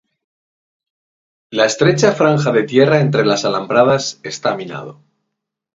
La estrecha franja de tierra entre las alambradas está minado.